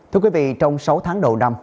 thưa quý vị trong sáu tháng đầu năm